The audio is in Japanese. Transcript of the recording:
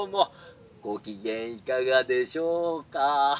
ごきげんいかがでしょうか？」。